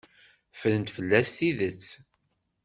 Ffren fell-as tidet.